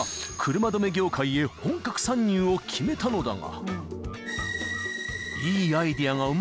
車止め業界へ本格参入を決めたのだが］